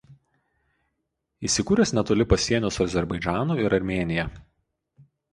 Įsikūręs netoli pasienio su Azerbaidžanu ir Armėnija.